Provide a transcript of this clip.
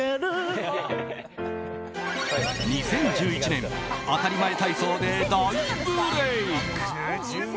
２０１１年「あたりまえ体操」で大ブレーク。